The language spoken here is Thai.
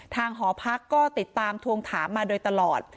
หอพักก็ติดตามทวงถามมาโดยตลอด